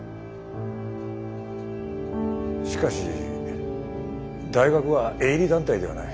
しかし大学は営利団体ではない。